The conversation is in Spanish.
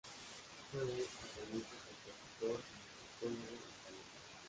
Fue un organista, compositor y musicólogo italiano.